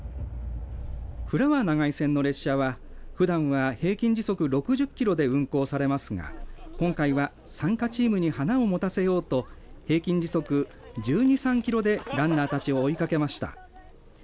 フラワー長井線の列車はふだんは平均時速６０キロで運行されますが今回は参加チームに華を持たせようと平均時速１２１３キロでランナーたちを追いかけました。